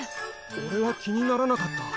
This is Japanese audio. おれは気にならなかった。